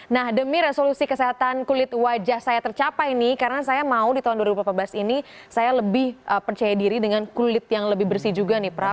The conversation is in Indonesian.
nah demi resolusi kesehatan kulit wajah saya tercapai nih karena saya mau di tahun dua ribu empat belas ini saya lebih percaya diri dengan kulit yang lebih bersih juga nih prabu